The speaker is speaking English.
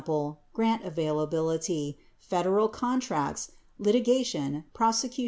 grant availability, Federal contracts , litigation , prosecution , etc.).